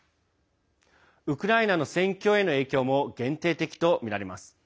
ウクライナの戦況への影響も限定的とみられます。